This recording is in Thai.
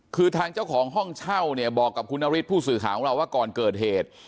คือทางเจ้าของห้องเช่าเนี่ยบอกกับคุณนฤทธิผู้สื่อข่าวของเราว่าก่อนเกิดเหตุ